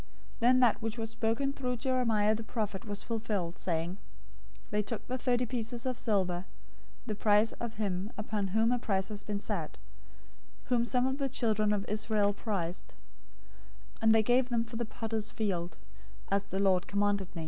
027:009 Then that which was spoken through Jeremiah{some manuscripts omit "Jeremaiah"} the prophet was fulfilled, saying, "They took the thirty pieces of silver, the price of him upon whom a price had been set, whom some of the children of Israel priced, 027:010 and they gave them for the potter's field, as the Lord commanded me."